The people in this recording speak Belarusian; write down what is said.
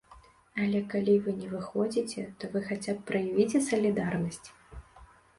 Але калі вы не выходзіце, то вы хаця б праявіце салідарнасць.